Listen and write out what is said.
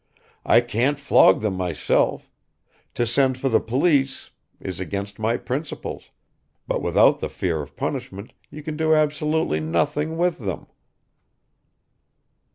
"I can't flog them myself; to send for the police is against my principles, but without the fear of punishment you can do absolutely nothing with them!"